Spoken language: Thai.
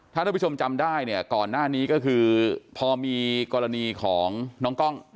ถ้าท่านผู้ชมจำได้เนี่ยก่อนหน้านี้ก็คือพอมีกรณีของน้องกล้อง